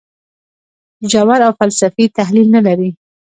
ژور او فلسفي تحلیل نه لري.